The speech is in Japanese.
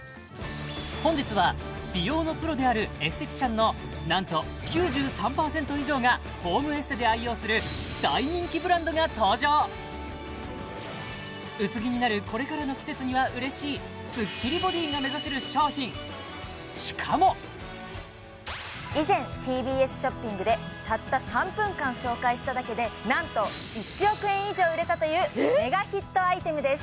本日は美容のプロであるエステティシャンのなんと９３％以上がホームエステで愛用する大人気ブランドが登場薄着になるこれからの季節には嬉しいスッキリボディが目指せる商品しかも以前ＴＢＳショッピングでたった３分間紹介しただけでなんと１億円以上売れたというメガヒットアイテムです